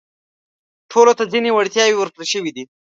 ټولو ته ځينې وړتياوې ورکړل شوي دي.